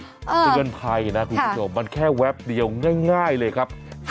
เตือนภัยนะคุณผู้ชมมันแค่แป๊บเดียวง่ายเลยครับ